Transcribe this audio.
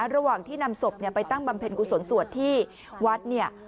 ระหว่างที่นำศพไปตั้งบำเพ็ญกุศลสวดที่วัดเนี่ย